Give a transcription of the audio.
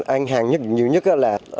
ăn hàng nhiều nhất là